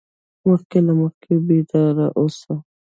مخکې له مخکې بیدار اوسه.